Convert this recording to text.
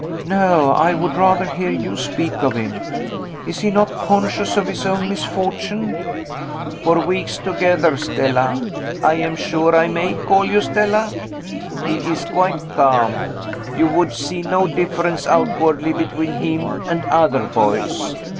"No! I would rather hear you speak of him. Is he not conscious of his own misfortune?" "For weeks together, Stella I am sure I may call you Stella? he is quite calm; you would see no difference outwardly between him and other boys.